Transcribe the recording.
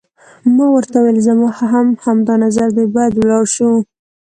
ما ورته وویل: زما هم همدا نظر دی، باید ولاړ شو.